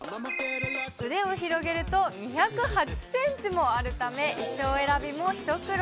腕を広げると２０８センチもあるため、衣装選びも一苦労。